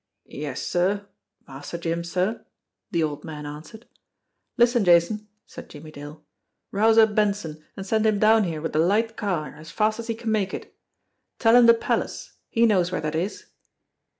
"Yes, sir Master Jim, sir," the old man answered. "Listen, Jason!" said Jimmie Dale. "Rouse up Benson, and send him down here with the light car as fast as he can make it. Tell him the Palace he knows where that is."